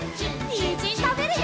にんじんたべるよ！